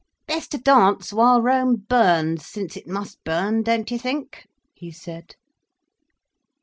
"Best to dance while Rome burns, since it must burn, don't you think?" he said.